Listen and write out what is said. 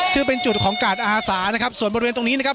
ซึ่งเป็นจุดของกาดอาสานะครับส่วนบริเวณตรงนี้นะครับ